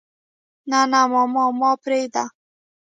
نه نه ماما ما پرېده.